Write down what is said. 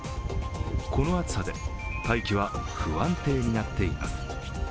この暑さで大気は不安定になっています。